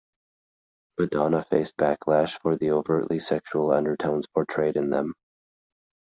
Madonna faced backlash for the overtly sexual undertones portrayed in them.